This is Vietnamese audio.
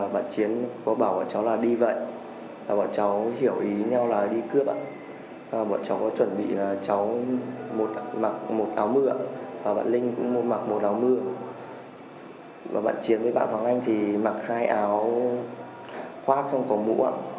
bạn chiến với bạn hoàng anh thì mặc hai áo khoác xong có mũ